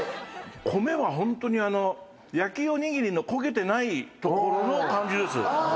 米は本当に、焼きおにぎりの焦げてない所の感じです。